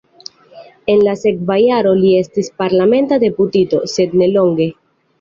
En la sekva jaro li estis parlamenta deputito, sed nelonge.